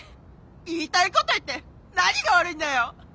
言いたいことを言って何が悪いんだよ！